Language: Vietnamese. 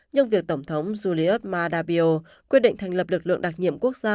nhưng việc tổng thống julius madabio quyết định thành lập lực lượng đặc nhiệm quốc gia